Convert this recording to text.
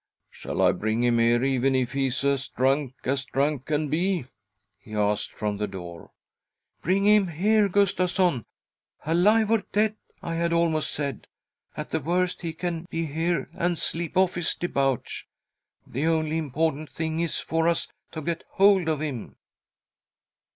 " Shall I bring him here, even if he is as drunk as drunk can be?" he asked from the door. " Bring him here, Gustavsson— alive or dead, I had almost said. At the worst he can he here and sleep off his debauch. The only important thing is for us to get hold of him."